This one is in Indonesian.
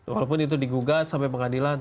walaupun itu digugat sampai pengadilan